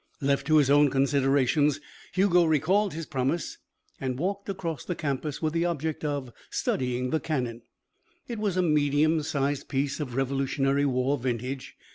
Left to his own considerations, Hugo recalled his promise and walked across the campus with the object of studying the cannon. It was a medium sized piece of Revolutionary War vintage.